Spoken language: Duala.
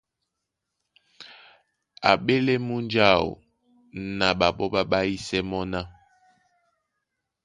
A ɓélɛ́ múnja áō na ɓaɓɔ́ ɓá ɓáísɛ́ mɔ́ ná: